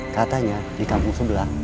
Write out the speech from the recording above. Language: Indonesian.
katanya di kampung sebelah